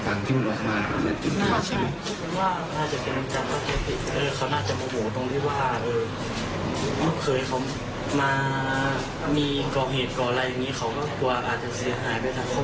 ความกลัวอาจจะเสียหายไปจากความกลัว